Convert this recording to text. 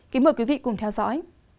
kính mời quý vị cùng theo dõi